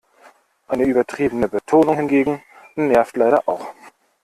Eine übertriebene Betonung hingegen nervt leider auch.